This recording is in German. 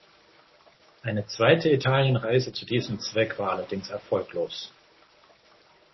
Eine zweite Italienreise zu diesem Zweck war allerdings erfolglos.